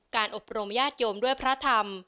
อบรมญาติโยมด้วยพระธรรม